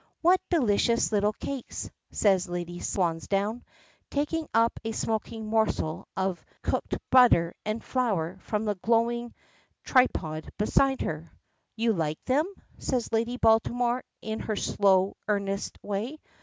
"What delicious little cakes!" says Lady Swansdown, taking up a smoking morsel of cooked butter and flour from the glowing tripod beside her. "You like them?" says Lady Baltimore in her slow, earnest way.